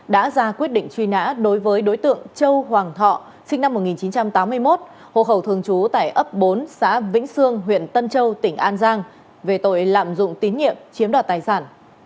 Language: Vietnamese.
đã ra quyết định truy nã đối với đối tượng châu hoàng thọ sinh năm một nghìn chín trăm tám mươi một hộ khẩu thường trú tại ấp bốn xã vĩnh sương huyện tân châu tỉnh an giang về tội lạm dụng tín nhiệm chiếm đoạt tài sản